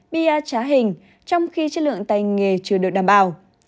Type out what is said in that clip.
bia trá hình trong khi chất lượng tay nghề chưa được đảm bảo